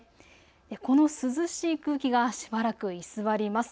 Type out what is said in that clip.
この涼しい空気がしばらく居座ります。